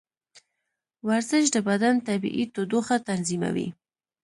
ورزش د بدن طبیعي تودوخه تنظیموي.